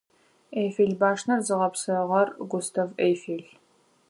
Эйфел башнэр зыгъэпсыгъэр Густав Эйфел.